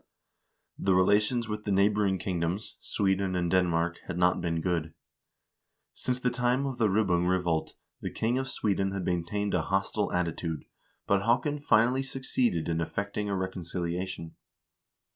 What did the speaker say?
The relations with the neighboring kingdoms, Sweden and Den mark, had not been good. Since the time of the Ribbung revolt the king of Sweden had maintained a hostile attitude, but Haakon finally succeeded in effecting a reconciliation.